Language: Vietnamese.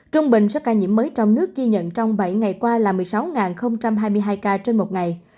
trung bình số ca nhiễm mới trong nước ghi nhận trong bảy ngày qua là một mươi sáu hai mươi hai ca trên một ngày